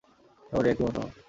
সবারই একই মতামত।